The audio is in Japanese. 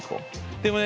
でもね